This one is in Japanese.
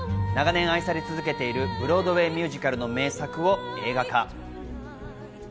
長年愛され続けているブロードウェーミュージカルの名作を映画化。